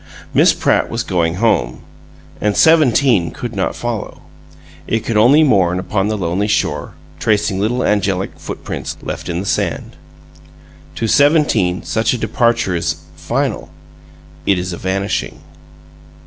Miss Pratt was going home, and Seventeen could not follow; it could only mourn upon the lonely shore, tracing little angelic footprints left in the sand. To Seventeen such a departure is final; it is a vanishing.